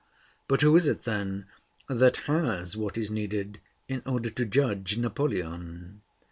But who is it, then, that has what is needed in order to judge Napoleon?